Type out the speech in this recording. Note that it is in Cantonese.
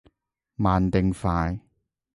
慢定快？